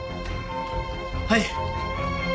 はい。